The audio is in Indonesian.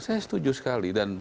saya setuju sekali